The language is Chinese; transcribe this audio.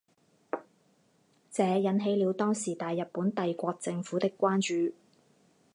这引起了当时大日本帝国政府的关注。